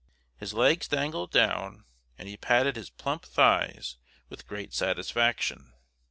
His legs dangled down and he patted his plump thighs with great satisfaction.